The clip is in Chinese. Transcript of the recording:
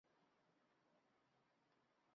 教师也要教他们没有完全明白的内容。